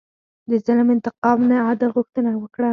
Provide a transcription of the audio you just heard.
د ظلم انتقام نه، عدل غوښتنه وکړه.